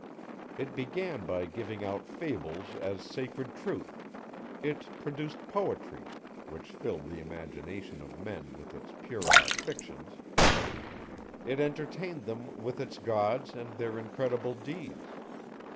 It began by giving out fables as sacred truth: it produced poetry, which filled the imagination of men with its puerile fictions: it entertained them with its gods and their incredible deeds.